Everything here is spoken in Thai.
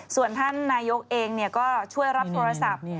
ส่วนท่านนายกเองก็ช่วยรับโทรศัพท์